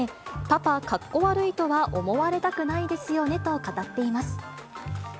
パパ格好悪いとは思われたくないですよねと語っています。